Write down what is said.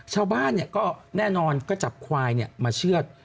ชาวบ้านก็แน่นอนก็จับควายมาเชื่อด